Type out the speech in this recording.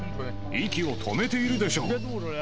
息を止めているでしょう。